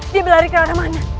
dia berlari ke arah mana